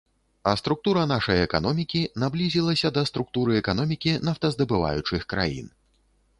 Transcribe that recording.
А структура нашай эканомікі наблізілася да структуры эканомікі нафтаздабываючых краін.